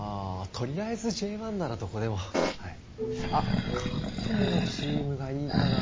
とりあえずＪ１ならどこでもはいあ関東のチームがいいかな